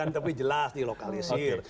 tapi jelas di lokalisir